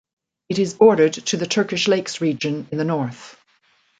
It is bordered to the Turkish Lakes Region in the north.